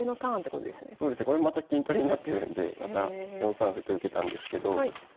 これもまた金取りになってるんでまた４三歩と受けたんですけど。